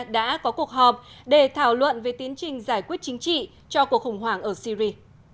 đã có cuộc họp để thảo luận về tiến trình giải quyết chính trị cho cuộc khủng hoảng ở syri